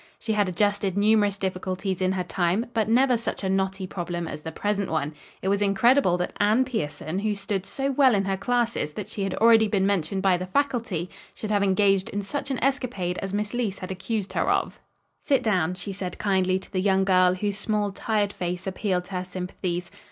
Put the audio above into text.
She had adjusted numerous difficulties in her time, but never such a knotty problem as the present one. It was incredible that Anne Pierson, who stood so well in her classes that she had already been mentioned by the faculty, should have engaged in such an escapade as Miss Leece had accused her of. "Sit down," she said kindly to the young girl, whose small, tired face appealed to her sympathies.